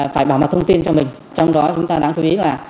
phải bảo mật thông tin cho mình trong đó chúng ta đáng chú ý là